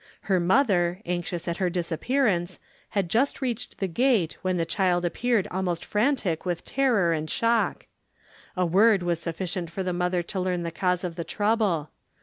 Her mother, anxious at her disappearance, had just reached the gate when the child appeared almost frantic with terror and shock. A word was sufficient for the mother to learn the cause of the trouble.